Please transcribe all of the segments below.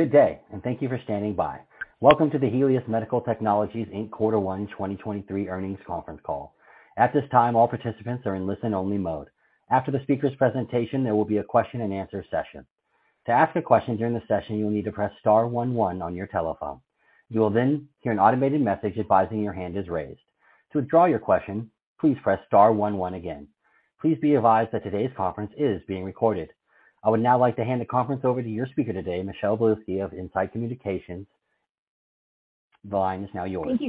Good day. Thank you for standing by. Welcome to the Helius Medical Technologies Inc. Q1 2023 Earnings Conference Call. At this time, all participants are in listen only mode. After the speaker's presentation, there will be a question-and-answer session. To ask a question during the session, you will need to press star one one on your telephone. You will hear an automated message advising your hand is raised. To withdraw your question, please press star one one again. Please be advised that today's conference is being recorded. I would now like to hand the conference over to your speaker today, Michelle Bilski of In-Site Communications. The line is now yours. Thank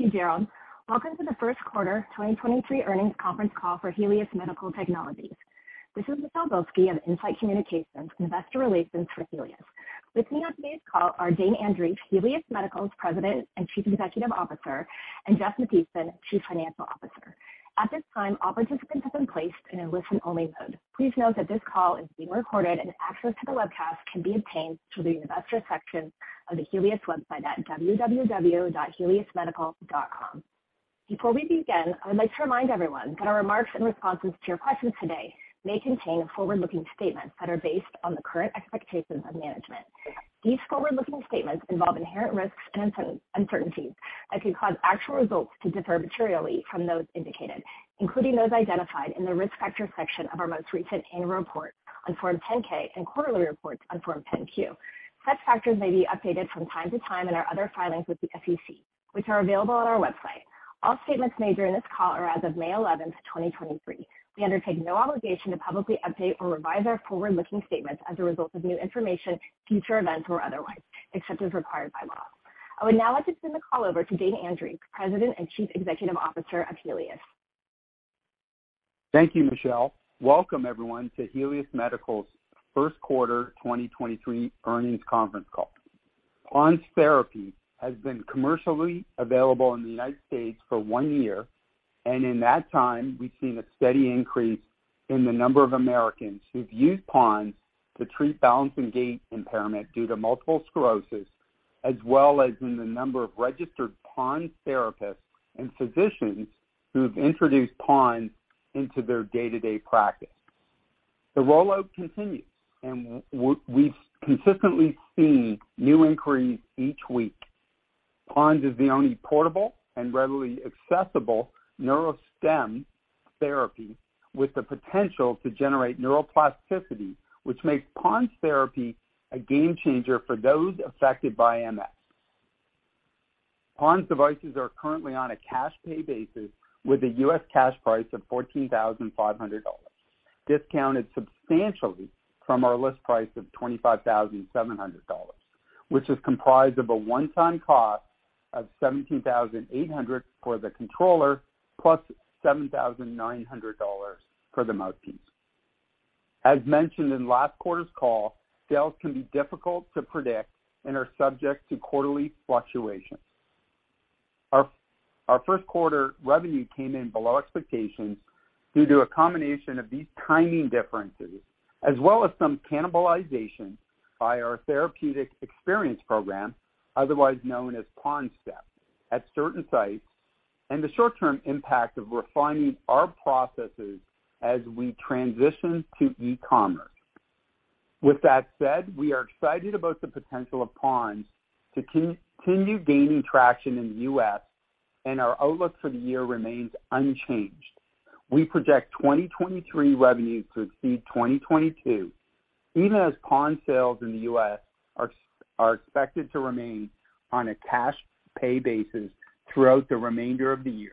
you, Gerald. Welcome to the first quarter 2023 earnings conference call for Helius Medical Technologies. This is Michelle Bilski of In-Site Communications, investor relations for Helius. Listening on today's call are Dane Andreeff, Helius Medical's President and Chief Executive Officer, and Jeff Mathiesen, Chief Financial Officer. At this time, all participants have been placed in a listen only mode. Please note that this call is being recorded, and access to the webcast can be obtained through the investor section of the Helius website at www.heliusmedical.com. Before we begin, I would like to remind everyone that our remarks and responses to your questions today may contain forward-looking statements that are based on the current expectations of management. These forward-looking statements involve inherent risks and uncertainties that could cause actual results to differ materially from those indicated, including those identified in the Risk Factors section of our most recent annual report on Form 10-K and quarterly reports on Form 10-Q. Such factors may be updated from time to time in our other filings with the SEC, which are available on our website. All statements made during this call are as of May 11th, 2023. We undertake no obligation to publicly update or revise our forward-looking statements as a result of new information, future events or otherwise, except as required by law. I would now like to send the call over to Dane Andreeff, President and Chief Executive Officer of Helius. Thank you, Michelle. Welcome everyone to Helius Medical's first quarter 2023 earnings conference call. PoNS Therapy has been commercially available in the United States for one year. In that time, we've seen a steady increase in the number of Americans who've used PoNS to treat balance and gait impairment due to multiple sclerosis, as well as in the number of registered PoNS therapists and physicians who have introduced PoNS into their day-to-day practice. The rollout continues. We've consistently seen new inquiries each week. PoNS is the only portable and readily accessible Neurostimulation therapy with the potential to generate neuroplasticity, which makes PoNS Therapy a game changer for those affected by MS. PoNS devices are currently on a cash pay basis with a U.S. cash price of $14,500, discounted substantially from our list price of $25,700, which is comprised of a one-time cost of $17,800 for the controller +$7,900 for the mouthpiece. As mentioned in last quarter's call, sales can be difficult to predict and are subject to quarterly fluctuations. Our first quarter revenue came in below expectations due to a combination of these timing differences as well as some cannibalization by our therapeutic experience program, otherwise known as PoNSTEP, at certain sites, and the short-term impact of refining our processes as we transition to e-commerce. With that said, we are excited about the potential of PoNS to continue gaining traction in the U.S., and our outlook for the year remains unchanged. We project 2023 revenue to exceed 2022, even as PoNS sales in the U.S. are expected to remain on a cash pay basis throughout the remainder of the year.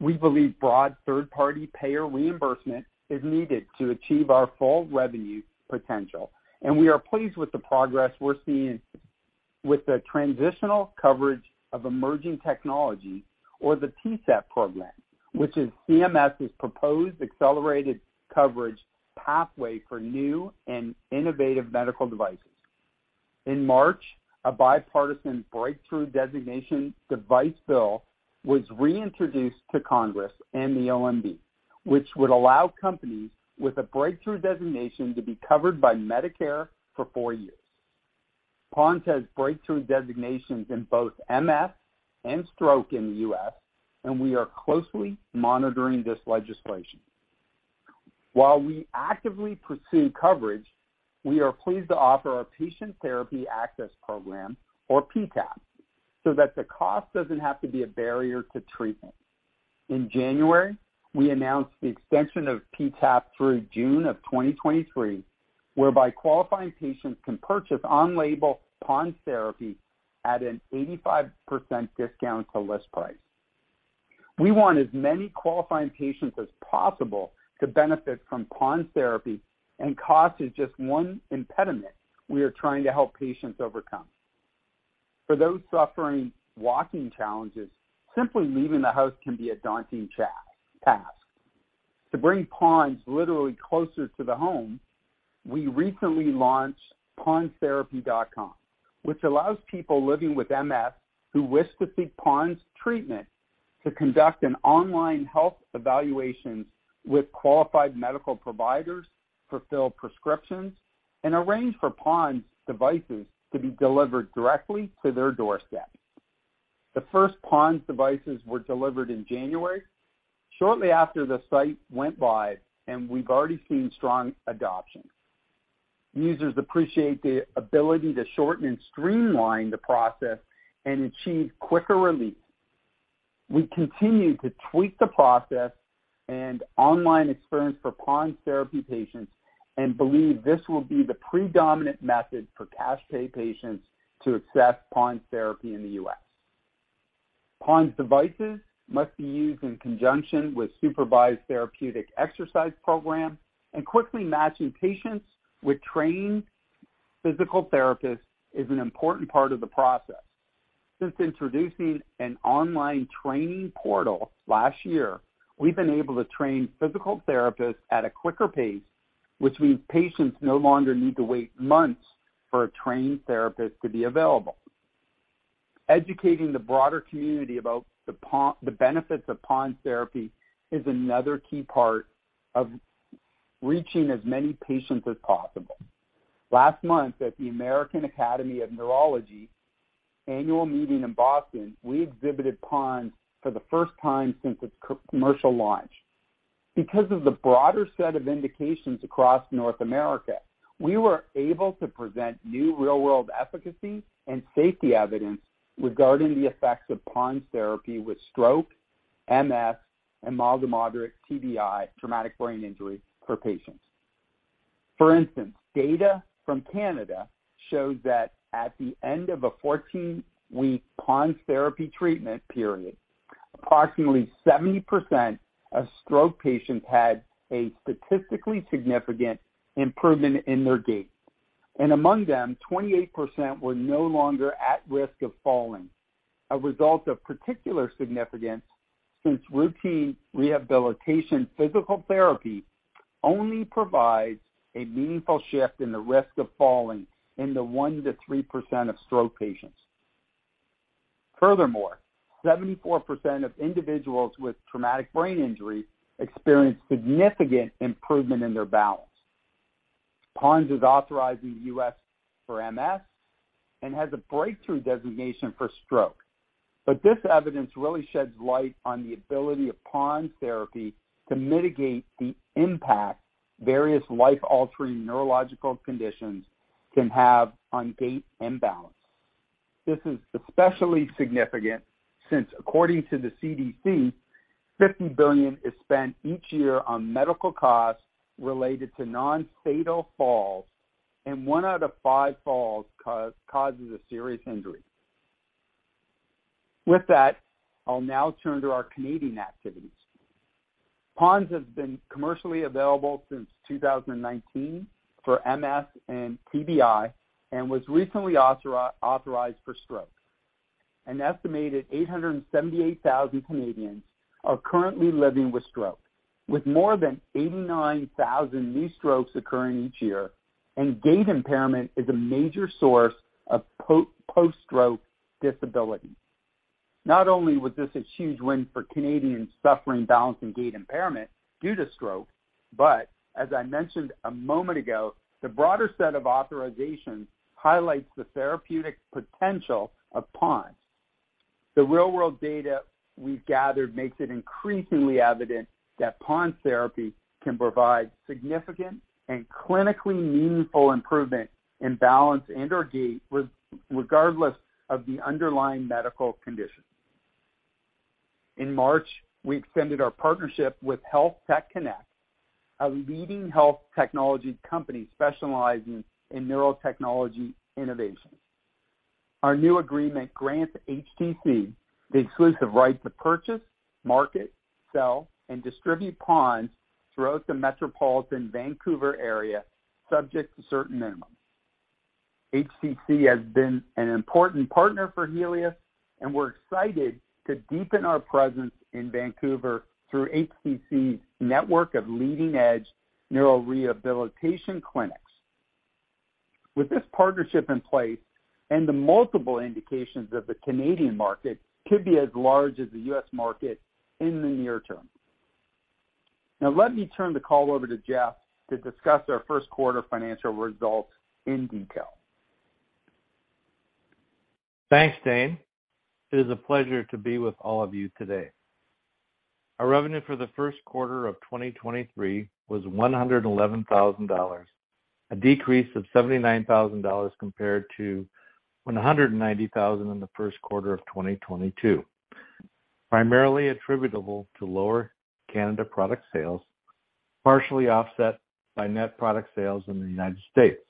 We believe broad third-party payer reimbursement is needed to achieve our full revenue potential. We are pleased with the progress we're seeing with the Transitional Coverage for Emerging Technologies, or the TCET program, which is CMS's proposed accelerated coverage pathway for new and innovative medical devices. In March, a bipartisan breakthrough designation device bill was reintroduced to Congress and the OMB, which would allow companies with a breakthrough designation to be covered by Medicare for four years. PoNS has breakthrough designations in both MS and stroke in the U.S., and we are closely monitoring this legislation. While we actively pursue coverage, we are pleased to offer our Patient Therapy Access Program, or PTAP, so that the cost doesn't have to be a barrier to treatment. In January, we announced the extension of PTAP through June of 2023, whereby qualifying patients can purchase on-label PoNS Therapy at an 85% discount to list price. We want as many qualifying patients as possible to benefit from PoNS Therapy, and cost is just one impediment we are trying to help patients overcome. For those suffering walking challenges, simply leaving the house can be a daunting task. To bring PoNS literally closer to the home, we recently launched ponstherapy.com, which allows people living with MS who wish to seek PoNS treatment to conduct an online health evaluation with qualified medical providers, fulfill prescriptions, and arrange for PoNS devices to be delivered directly to their doorstep. The first PoNS devices were delivered in January shortly after the site went live, and we've already seen strong adoption. Users appreciate the ability to shorten and streamline the process and achieve quicker relief. We continue to tweak the process and online experience for PoNS Therapy patients and believe this will be the predominant method for cash pay patients to access PoNS Therapy in the U.S. PoNS devices must be used in conjunction with supervised therapeutic exercise program and quickly matching patients with trained physical therapists is an important part of the process. Since introducing an online training portal last year, we've been able to train physical therapists at a quicker pace, which means patients no longer need to wait months for a trained therapist to be available. Educating the broader community about the benefits of PoNS Therapy is another key part of reaching as many patients as possible. Last month, at the American Academy of Neurology annual meeting in Boston, we exhibited PoNS for the first time since its commercial launch. Because of the broader set of indications across North America, we were able to present new real-world efficacy and safety evidence regarding the effects of PoNS Therapy with stroke, MS, and mild-to-moderate TBI, traumatic brain injury, for patients. For instance, data from Canada shows that at the end of a 14-week PoNS Therapy treatment period, approximately 70% of stroke patients had a statistically significant improvement in their gait, and among them, 28% were no longer at risk of falling. A result of particular significance since routine rehabilitation physical therapy only provides a meaningful shift in the risk of falling in the 1% to 3% of stroke patients. Furthermore, 74% of individuals with traumatic brain injury experienced significant improvement in their balance. PoNS is authorized in the U.S. for MS and has a Breakthrough Designation for stroke. This evidence really sheds light on the ability of PoNS Therapy to mitigate the impact various life-altering neurological conditions can have on gait and balance. This is especially significant since according to the CDC, $50 billion is spent each year on medical costs related to non-fatal falls, and one out of five falls causes a serious injury. I'll now turn to our Canadian activities. PoNS has been commercially available since 2019 for MS and TBI and was recently authorized for stroke. An estimated 878,000 Canadians are currently living with stroke, with more than 89,000 new strokes occurring each year. Gait impairment is a major source of post-stroke disability. Not only was this a huge win for Canadians suffering balance and gait impairment due to stroke, but as I mentioned a moment ago, the broader set of authorizations highlights the therapeutic potential of PoNS. The real-world data we've gathered makes it increasingly evident that PoNS Therapy can provide significant and clinically meaningful improvement in balance and/or gait regardless of the underlying medical condition. In March, we extended our partnership with HealthTech Connex, a leading health technology company specializing in neurotechnology innovation. Our new agreement grants HTC the exclusive right to purchase, market, sell, and distribute PoNS throughout the metropolitan Vancouver area, subject to certain minimums. HTC has been an important partner for Helius, and we're excited to deepen our presence in Vancouver through HTC's network of leading-edge neurorehabilitation clinics. With this partnership in place and the multiple indications that the Canadian market could be as large as the U.S. market in the near term. Let me turn the call over to Jeff to discuss our first quarter financial results in detail. Thanks, Dane. It is a pleasure to be with all of you today. Our revenue for the first quarter of 2023 was $111,000, a decrease of $79,000 compared to $190,000 in the first quarter of 2022, primarily attributable to lower Canada product sales, partially offset by net product sales in the United States.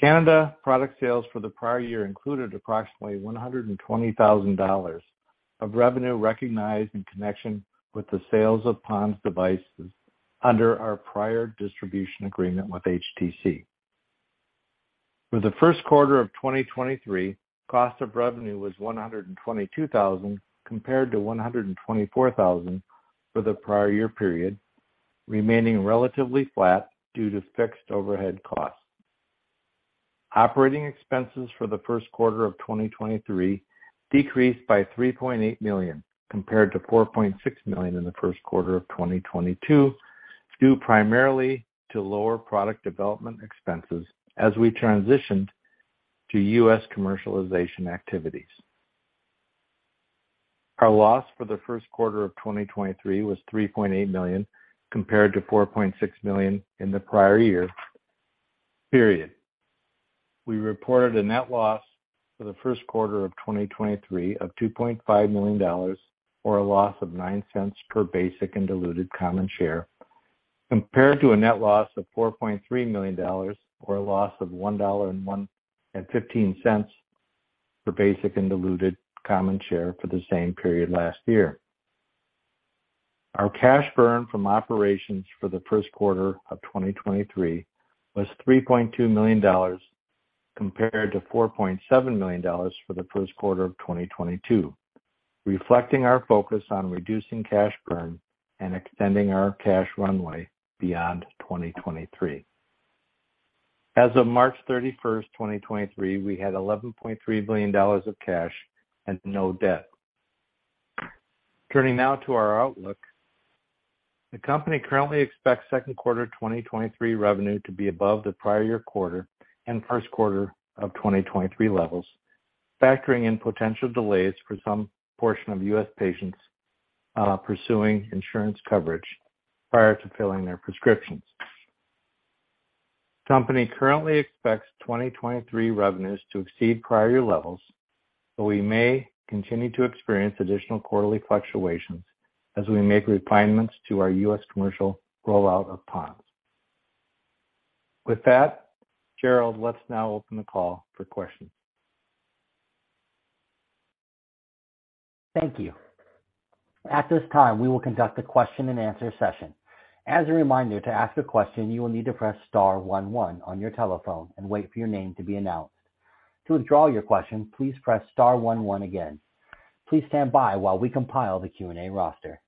Canada product sales for the prior year included approximately $120,000 of revenue recognized in connection with the sales of PoNS devices under our prior distribution agreement with HTC. For the first quarter of 2023, cost of revenue was $122,000 compared to $124,000 for the prior year period, remaining relatively flat due to fixed overhead costs. Operating expenses for the first quarter of 2023 decreased by $3.8 million compared to $4.6 million in the first quarter of 2022. Due primarily to lower product development expenses as we transitioned to U.S. commercialization activities. Our loss for the first quarter of 2023 was $3.8 million, compared to $4.6 million in the prior year period. We reported a net loss for the first quarter of 2023 of $2.5 million, or a loss of $0.09 per basic and diluted common share, compared to a net loss of $4.3 million, or a loss of $1.15 per basic and diluted common share for the same period last year. Our cash burn from operations for the first quarter of 2023 was $3.2 million, compared to $4.7 million for the first quarter of 2022, reflecting our focus on reducing cash burn and extending our cash runway beyond 2023. As of March 31st, 2023, we had $11.3 million of cash and no debt. Turning now to our outlook. The company currently expects second quarter 2023 revenue to be above the prior year quarter and first quarter of 2023 levels, factoring in potential delays for some portion of U.S. patients, pursuing insurance coverage prior to filling their prescriptions. Company currently expects 2023 revenues to exceed prior year levels, we may continue to experience additional quarterly fluctuations as we make refinements to our U.S. commercial rollout of PoNS. With that, Gerald, let's now open the call for questions. Thank you. At this time, we will conduct a question-and-answer session. As a reminder, to ask a question, you will need to press star one one on your telephone and wait for your name to be announced. To withdraw your question, please press star one one again. Please stand by while we compile the Q&A roster.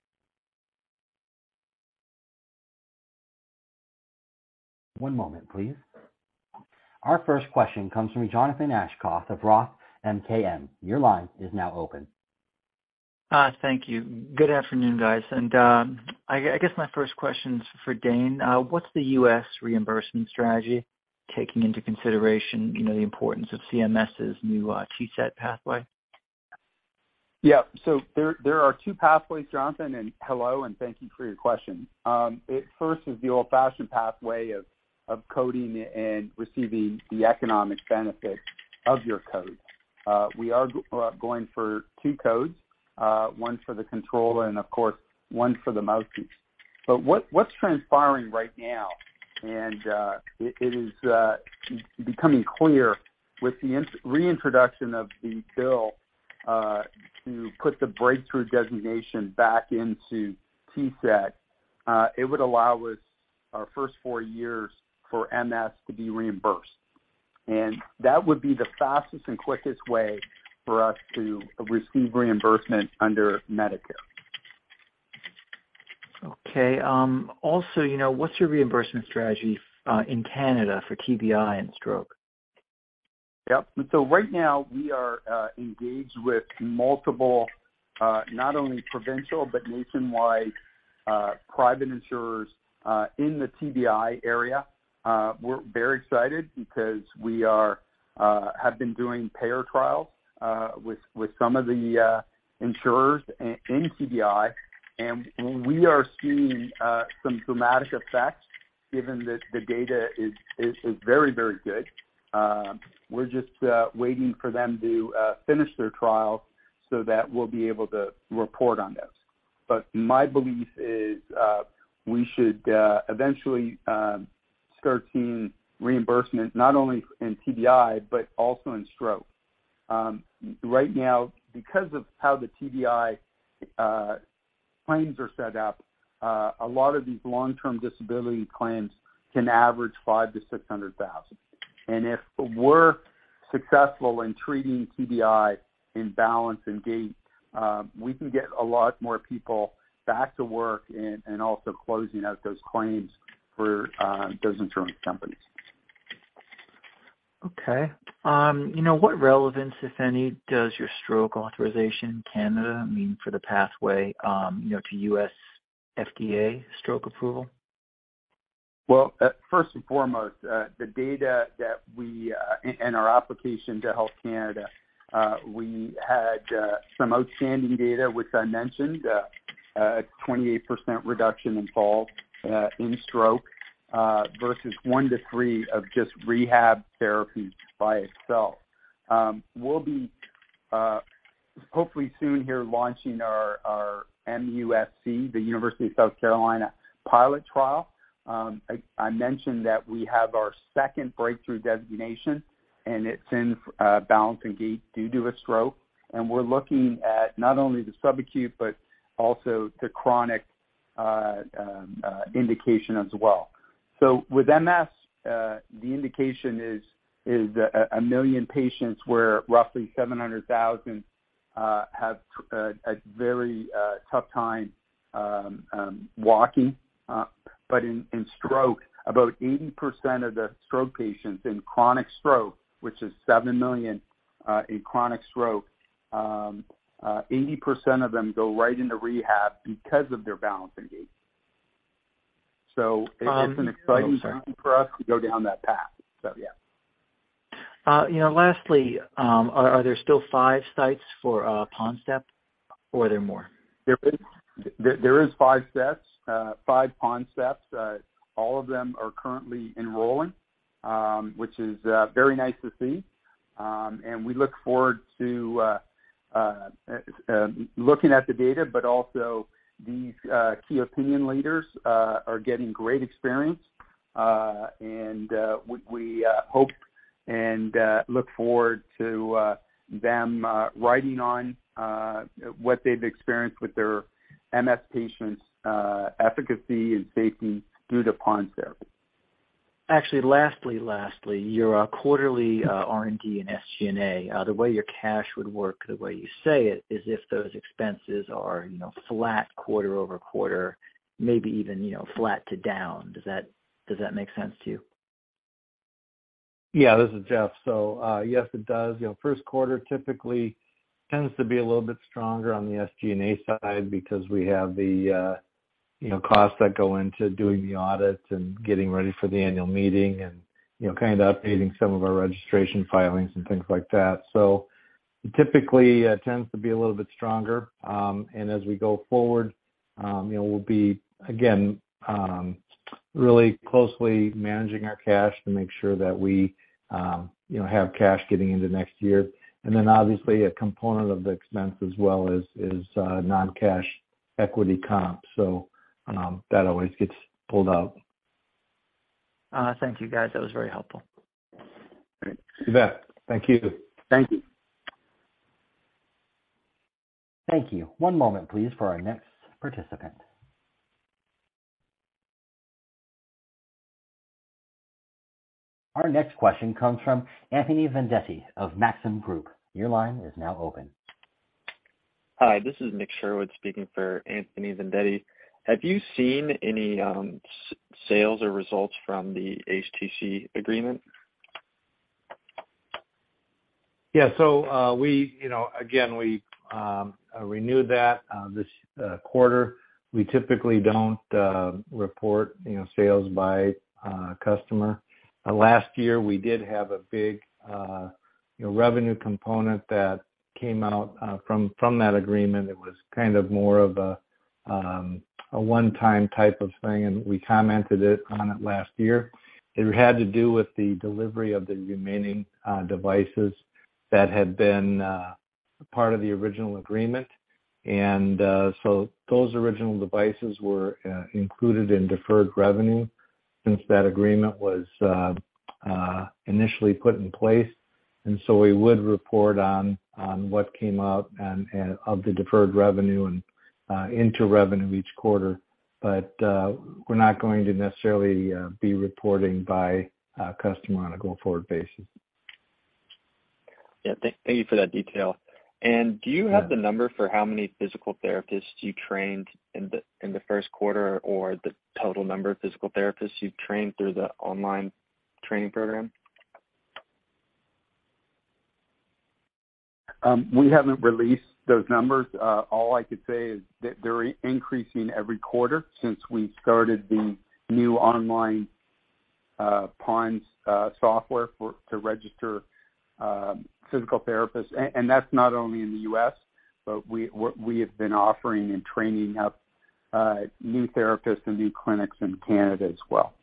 One moment, please. Our first question comes from Jonathan Aschoff of ROTH MKM. Your line is now open. Thank you. Good afternoon, guys. I guess my first question's for Dane. What's the U.S. reimbursement strategy, taking into consideration, you know, the importance of CMS's new TCET pathway? There, there are two pathways, Jonathan, and hello, and thank you for your question. It first is the old-fashioned pathway of coding and receiving the economic benefit of your code. We are going for two codes. One for the control and of course, one for the mouse. What's transpiring right now, and it is becoming clear with the reintroduction of the bill, to put the Breakthrough Designation back into TCET, it would allow us our first four years for MS to be reimbursed. That would be the fastest and quickest way for us to receive reimbursement under Medicare. Also, you know, what's your reimbursement strategy in Canada for TBI and stroke? Yep. Right now we are engaged with multiple, not only provincial, but nationwide private insurers in the TBI area. We're very excited because we are have been doing payer trials with some of the insurers in TBI. We are seeing some dramatic effects given that the data is very, very good. We're just waiting for them to finish their trial so that we'll be able to report on this. My belief is we should eventually start seeing reimbursement not only in TBI, but also in stroke. Right now, because of how the TBI claims are set up, a lot of these long-term disability claims can average $500,000-$600,000. If we're successful in treating TBI in balance and gait, we can get a lot more people back to work and also closing out those claims for those insurance companies. Okay. you know what relevance, if any, does your stroke authorization in Canada mean for the pathway, you know, to US FDA stroke approval? First and foremost, the data that we in our application to Health Canada, we had some outstanding data, which I mentioned, a 28% reduction in falls in stroke versus one to three of just rehab therapy by itself. We'll be hopefully soon here launching our MUSC, the University of South Carolina pilot trial. I mentioned that we have our second Breakthrough Designation and it's in balance and gait due to a stroke. We're looking at not only the subacute, but also the chronic indication as well. With MS, the indication is a 1 million patients where roughly 700,000 have a very tough time walking. In stroke, about 80% of the stroke patients in chronic stroke, which is $7 million in chronic stroke, 80% of them go right into rehab because of their balance engagement. Oh, sorry. Time for us to go down that path. yeah. You know, lastly, are there still five sites for PoNSTEP or are there more? There is five steps, five PoNSTEP. All of them are currently enrolling, which is very nice to see. We look forward to looking at the data, but also these key opinion leaders are getting great experience. We hope and look forward to them writing on what they've experienced with their MS patients, efficacy and safety due to PoNS Therapy. Actually, lastly, your quarterly R&D and SG&A, the way your cash would work, the way you say it, is if those expenses are, you know, flat quarter-over-quarter, maybe even, you know, flat to down. Does that make sense to you? Yeah. This is Jeff. Yes, it does. You know, first quarter typically tends to be a little bit stronger on the SG&A side because we have the, you know, costs that go into doing the audits and getting ready for the annual meeting and, you know, kind of updating some of our registration filings and things like that. Typically tends to be a little bit stronger. As we go forward, you know, we'll be again really closely managing our cash to make sure that we, you know, have cash getting into next year. Then obviously a component of the expense as well is non-cash equity compensation. That always gets pulled out. Thank you guys. That was very helpful. Great. You bet. Thank you. Thank you. Thank you. One moment please for our next participant. Our next question comes from Anthony Vendetti of Maxim Group. Your line is now open. Hi, this is Nick Sherwood speaking for Anthony Vendetti. Have you seen any sales or results from the HTC agreement? We, you know, again, we renewed that this quarter. We typically don't report, you know, sales by customer. Last year we did have a big, you know, revenue component that came out from that agreement. It was kind of more of a one-time type of thing, and we commented on it last year. It had to do with the delivery of the remaining devices that had been part of the original agreement. Those original devices were included in deferred revenue since that agreement was initially put in place. We would report on what came out and of the deferred revenue and into revenue each quarter. We're not going to necessarily be reporting by customer on a go-forward basis. Yeah. thank you for that detail. Do you have the number for how many physical therapists you trained in the first quarter or the total number of physical therapists you've trained through the online training program? We haven't released those numbers. All I could say is that they're increasing every quarter since we started the new online PoNS software for, to register physical therapists. That's not only in the U.S., but we have been offering and training up new therapists and new clinics in Canada as well.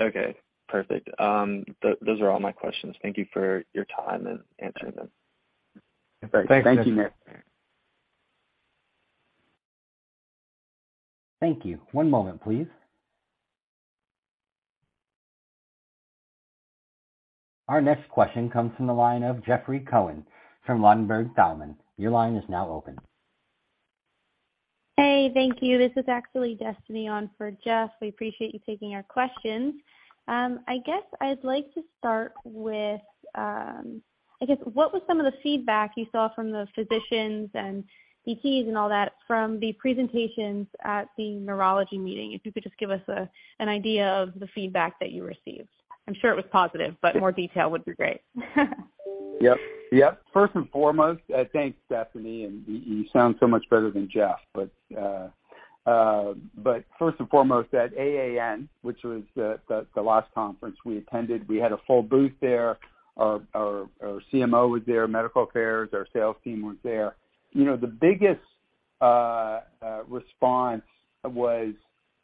Okay, perfect. Those are all my questions. Thank you for your time and answering them. Great. Thanks, Nick. Thank you, Nick. Thank you. One moment, please. Our next question comes from the line of Jeffrey Cohen from Ladenburg Thalmann. Your line is now open. Hey, thank you. This is actually Destiny on for Jeff. We appreciate you taking our questions. I guess I'd like to start with, what was some of the feedback you saw from the physicians and PTs and all that from the presentations at the neurology meeting? If you could just give us an idea of the feedback that you received. I'm sure it was positive, but more detail would be great. Yep. Yep. First and foremost... Thanks, Destiny, and you sound so much better than Jeff. First and foremost, at AAN, which was the last conference we attended, we had a full booth there. Our CMO was there, medical affairs, our sales team was there. You know, the biggest response was,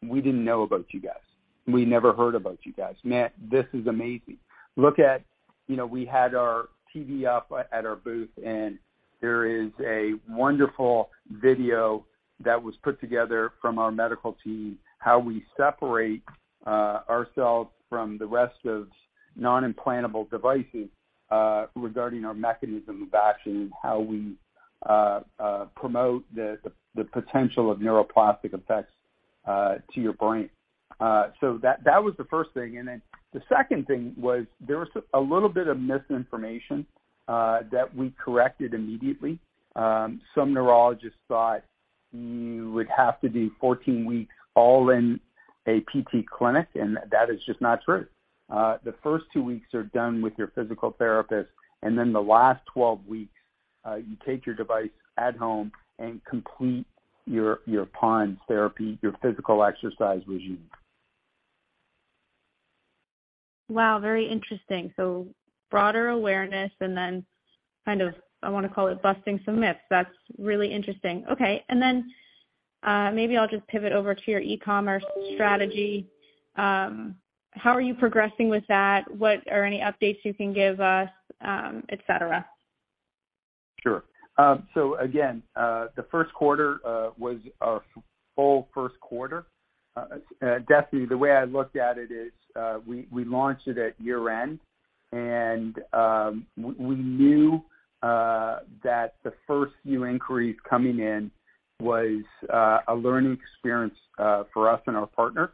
"We didn't know about you guys. We never heard about you guys. Man, this is amazing." Look at, you know, we had our TV up at our booth, and there is a wonderful video that was put together from our medical team, how we separate ourselves from the rest of non-implantable devices, regarding our mechanism of action and how we promote the potential of neuroplasticity effects to your brain. That was the first thing. The second thing was there was a little bit of misinformation that we corrected immediately. Some neurologists thought you would have to do 14 weeks all in a PT clinic, and that is just not true. The first two weeks are done with your physical therapist, and then the last 12 weeks, you take your device at home and complete your PoNS Therapy, your physical exercise regime. Wow, very interesting. Broader awareness and then kind of I wanna call it busting some myths. That's really interesting. Okay. Then, maybe I'll just pivot over to your e-commerce strategy. How are you progressing with that? What are any updates you can give us, et cetera? Again, the first quarter was our full first quarter. Destiny, the way I looked at it is, we launched it at year-end, we knew that the first few inquiries coming in was a learning experience for us and our partner.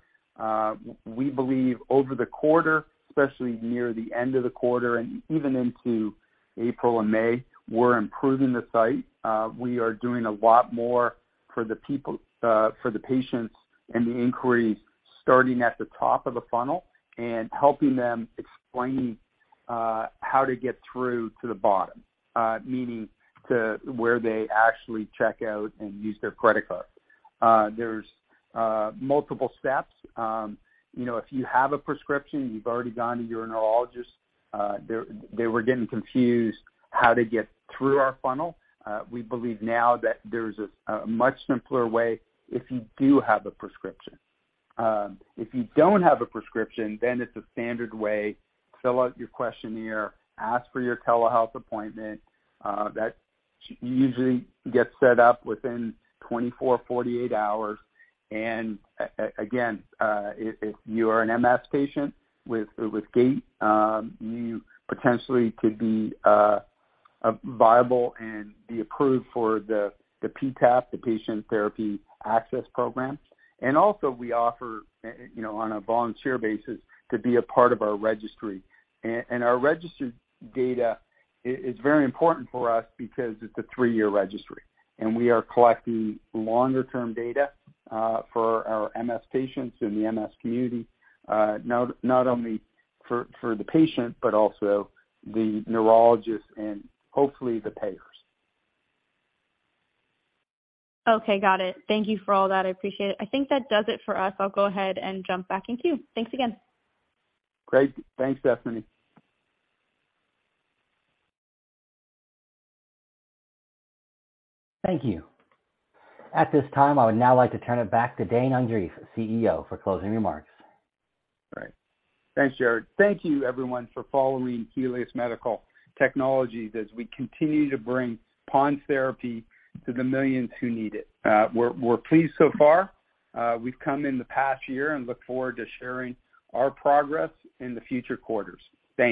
We believe over the quarter, especially near the end of the quarter and even into April and May, we're improving the site. We are doing a lot more for the people, for the patients and the inquiries starting at the top of the funnel and helping them explain how to get through to the bottom, meaning to where they actually check out and use their credit card. There's multiple steps. You know, if you have a prescription, you've already gone to your neurologist, they were getting confused how to get through our funnel. We believe now that there's a much simpler way if you do have a prescription. If you don't have a prescription, then it's a standard way. Fill out your questionnaire. Ask for your telehealth appointment, that usually gets set up within 24, 48 hours. Again, if you are an MS patient with gait, you potentially could be viable and be approved for the PTAP, the Patient Therapy Access Program. Also we offer, you know, on a volunteer basis to be a part of our registry. Our registered data is very important for us because it's a three-year registry, and we are collecting longer-term data for our MS patients in the MS community, not only for the patient, but also the neurologist and hopefully the payers. Okay, got it. Thank you for all that. I appreciate it. I think that does it for us. I'll go ahead and jump back into you. Thanks again. Great. Thanks, Destiny. Thank you. At this time, I would now like to turn it back to Dane Andreeff, CEO, for closing remarks. Thanks, Gerald. Thank you everyone for following Helius Medical Technologies as we continue to bring PoNS Therapy to the millions who need it. We're pleased so far. We've come in the past year and look forward to sharing our progress in the future quarters. Thank you.